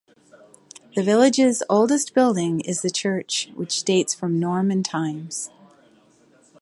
The village's oldest building is the church, which dates from Norman times.